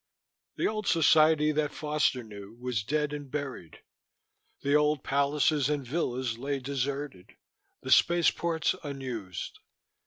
The old society that Foster knew was dead and buried. The old palaces and villas lay deserted, the spaceports unused.